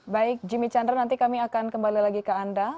baik jimmy chandra nanti kami akan kembali lagi ke anda